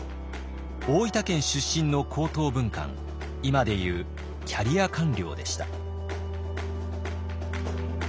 大分県出身の高等文官今で言うキャリア官僚でした。